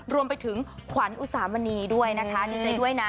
รวมไปถึงขวัญอุสามณีด้วยนะคะดีใจด้วยนะ